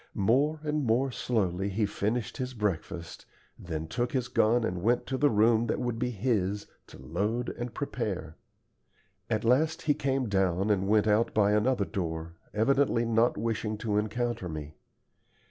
More and more slowly he finished his breakfast, then took his gun and went to the room that would be his, to load and prepare. At last he came down and went out by another door, evidently not wishing to encounter me.